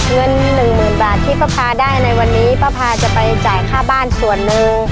เงินหนึ่งหมื่นบาทที่ป้าพาได้ในวันนี้ป้าพาจะไปจ่ายค่าบ้านส่วนหนึ่ง